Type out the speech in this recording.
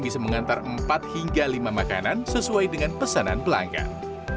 bisa mengantar empat hingga lima makanan sesuai dengan pesanan pelanggan